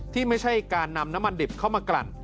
ที่ไม่ใช่การนำน้ำมันดิบเข้ามากลั่น